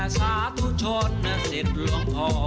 สวัสดีค่ะ